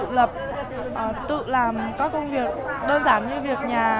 tự lập tự làm các công việc đơn giản như việc nhà